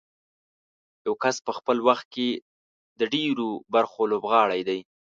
یو کس په خپل وخت کې د ډېرو برخو لوبغاړی دی.